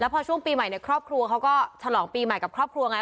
แล้วพอช่วงปีใหม่ในครอบครัวเขาก็ชะลองปีใหม่กับครอบครัวอย่างไร